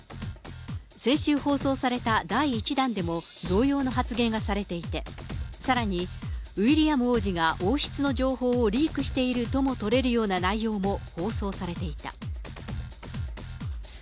先週放送された第１弾でも、同様の発言がされていて、さらにウィリアム王子が王室の情報をリークしているとも取れるような内容も放送されていた。